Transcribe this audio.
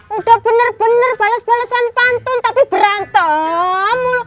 udah bener bener bales balesan pantun tapi berantem mulu